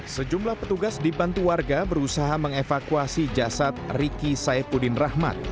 sejumlah petugas dibantu warga berusaha mengevakuasi jasad riki saipudin rahmat